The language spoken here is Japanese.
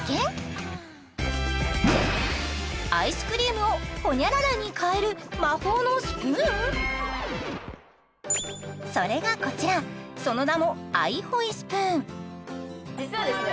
アイスクリームを○○に変える魔法のスプーンそれがこちらその名もアイホイスプーン実はですね